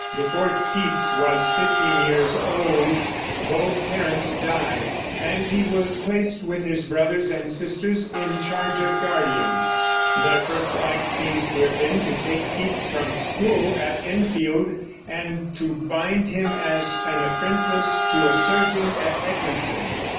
Before Keats was fifteen years old both parents died, and he was placed with his brothers and sisters in charge of guardians. Their first act seems to have been to take Keats from school at Enfield, and to bind him as an apprentice to a surgeon at Edmonton.